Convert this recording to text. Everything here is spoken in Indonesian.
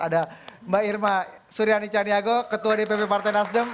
ada mbak irma suryani caniago ketua dpp partai nasdem